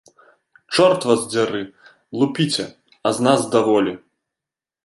Чорт вас дзяры, лупіце, а з нас даволі!